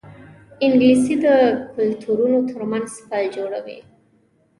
انګلیسي د کلتورونو ترمنځ پل جوړوي